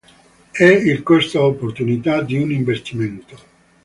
È il costo opportunità di un investimento.